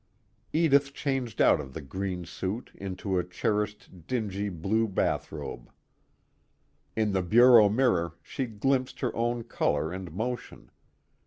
_ Edith changed out of the green suit into a cherished dingy blue bathrobe. In the bureau mirror she glimpsed her own color and motion.